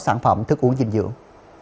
sản phẩm thức uống dinh dưỡng